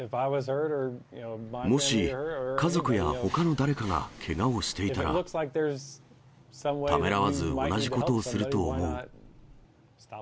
もし家族やほかの誰かがけがをしていたら、ためらわず同じことをすると思う。